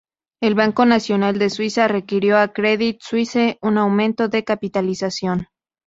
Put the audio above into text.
El Banco Nacional de Suiza requirió a Credit Suisse un aumento de su capitalización.